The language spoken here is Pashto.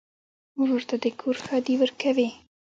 ورور ته د کور ښادي ورکوې.